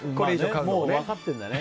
もう分かってるんだね。